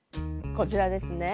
こちらですね。